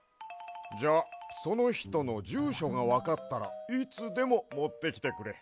じゃそのひとのじゅうしょがわかったらいつでももってきてくれ。